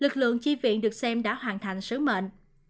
tổng chi viện được xem đã hoàn thành sứ mệnh